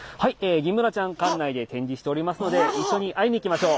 ギンブナちゃん館内で展示しておりますので一緒に会いに行きましょう。